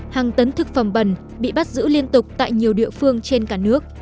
hàng tấn thực phẩm bẩn bị bắt giữ liên tục tại nhiều địa phương trên cả nước